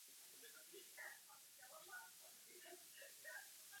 Je herečkou a producentkou.